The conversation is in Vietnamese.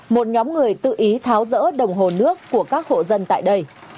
một nhóm người tự ý tháo rỡ đồng hồ nước của các hộ dân tại đây